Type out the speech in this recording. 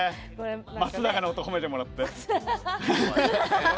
松永の音、褒めてもらって。